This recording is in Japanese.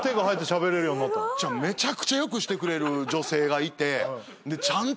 めちゃくちゃ良くしてくれる女性がいてちゃんと。